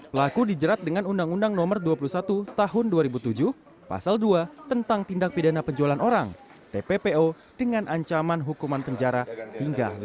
pelaku dijerat dengan undang undang no dua puluh satu tahun dua ribu tujuh pasal dua tentang tindak pidana penjualan orang tppo dengan ancaman hukuman penjara hingga lima tahun